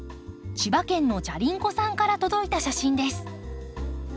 千葉県のじゃりんこさんから届いた写真です。